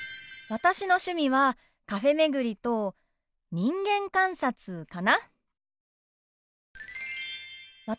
私の趣味はカフェ巡りと人間観察かな。